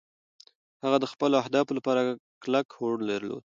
هغه د خپلو اهدافو لپاره کلک هوډ درلود.